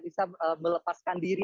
bisa melepaskan diri